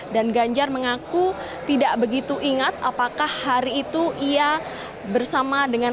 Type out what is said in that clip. dan ganjar mengaku tidak begitu ingat apakah hari itu ia bersama dengan